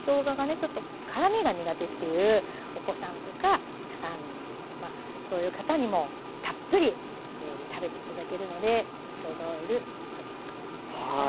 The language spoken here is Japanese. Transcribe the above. ちょっと辛みが苦手っていうお子さんとかそういう方にもたっぷり食べて頂けるのでしょうがオイルちょっと作ってみて下さい。